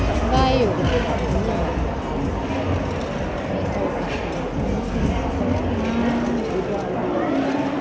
ขอบคุณครับ